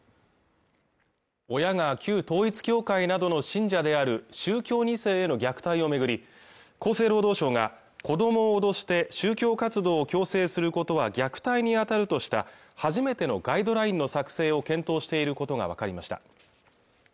親が旧統一教会などの信者である宗教二世への虐待をめぐり厚生労働省が子供を脅して宗教活動を強制することは虐待に当たるとした初めてのガイドラインの作成を検討していることが分かりました